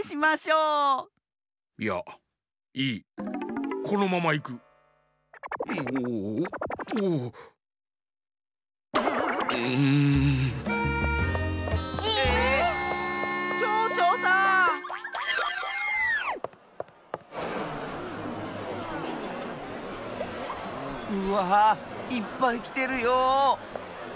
うわいっぱいきてるよ。